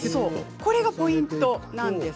これがポイントなんです。